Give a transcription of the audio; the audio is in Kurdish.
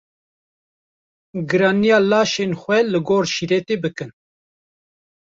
giraniya laşên xwe li gor şîretê bikin.